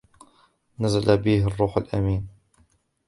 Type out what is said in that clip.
نزل به الروح الأمين